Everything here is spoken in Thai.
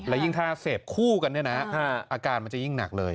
และยิ่งถ้าเสพคู่กันเนี่ยนะอาการมันจะยิ่งหนักเลย